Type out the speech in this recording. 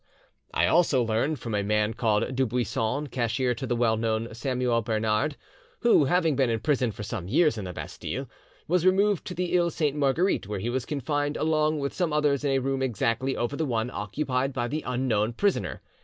"I also learned from a man called Dubuisson, cashier to the well known Samuel Bernard, who, having been imprisoned for some years in the Bastile, was removed to the Iles Sainte Marguerite, where he was confined along with some others in a room exactly over the one occupied by the unknown prisoner.